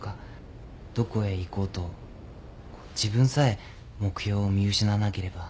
どこへ行こうと自分さえ目標を見失わなければ。